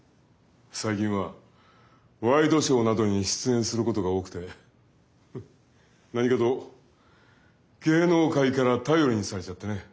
最近はワイドショーなどに出演することが多くてフッ何かと芸能界から頼りにされちゃってね。